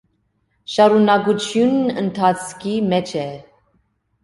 Շարունակությունն ընթացքի մեջ է։